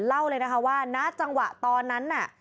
เล่าเลยนะคะว่าณจังหวะตอนนั้นน่ะ